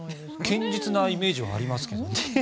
堅実なイメージはありますけど。